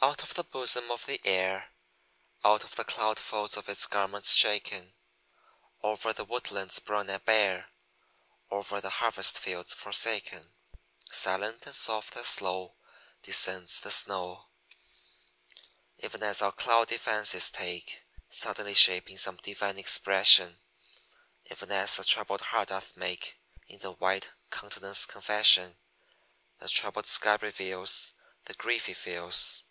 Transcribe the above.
Out of the bosom of the air, Out of the cloud folds of its garments shaken, Over the woodlands brown and bare, Over the harvest fields forsaken, Silent, and soft, and slow, Descends the snow. Even as our cloudy fancies take Suddenly shape in some divine expression, Even as the troubled heart doth make In the white countenance confession, The troubled sky reveals The grief it feels.